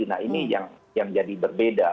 nah ini yang jadi berbeda